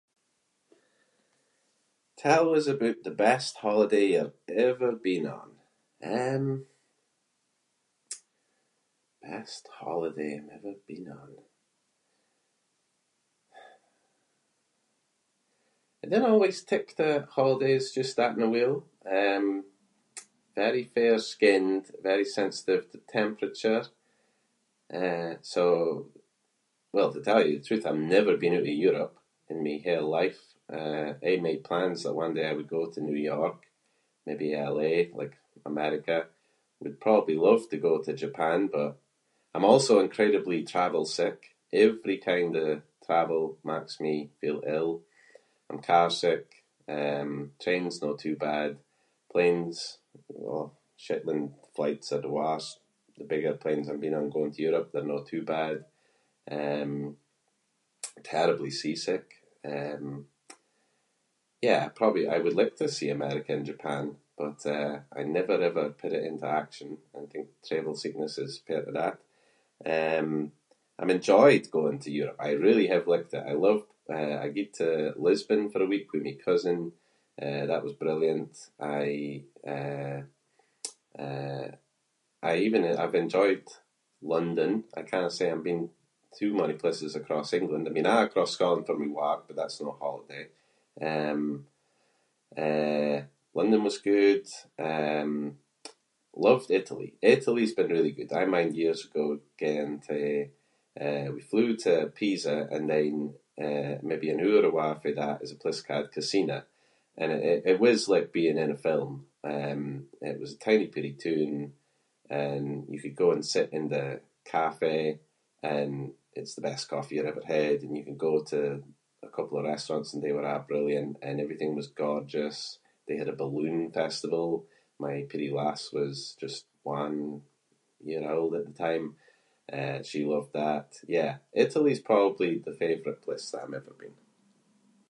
Tell us aboot the best holiday you’re ever been on. Um, best holiday I’m ever been on? I dinna always take the holidays just at my will. Um, very fair-skinned, very sensitive to temperature. Eh, so- well, to tell you the truth I’m never been oot of Europe in my whole life. I aie made plans that one day I would go to New York, maybe LA, like America. We’d probably love to go to Japan, but I’m also incredibly travel sick. Every time the travel maks me feel ill. I’m car sick, um- train’s no too bad- planes- oh, Shetland flights are the worst. The bigger planes I’m been on going to Europe, they’re no too bad. Um, terribly seasick, um. Yeah, probably- I would like to see America and Japan but, eh, I never ever put it into action. I think travel sickness is part of that. Um, I’m enjoyed going to Europe. I really have liked it. I loved, eh- I gied to Lisbon for a week with my cousin. Eh, that was brilliant. I, eh- eh I even- I’ve enjoyed London. I cannae say I’m been too many places across England. I’m been across Scotland for my work but that’s no a holiday. Um, eh, London was good. Um, loved Italy. Italy’s been really good. I mind years ago ginging to- eh, we flew to Pisa and then, eh, maybe an hour awa’ fae that is a place ca’ed Casina and it- it was like being in a film. Um, it was a tiny peerie toon and you could go and sit in the café and it’s the best coffee you’ve ever had. And you could go to a couple of restaurants and they were a’ brilliant and everything was gorgeous. They had a balloon festival. My peerie lass was just one year old at the time. Eh, she loved that. Yeah, Italy’s probably the favourite place that I’m ever been.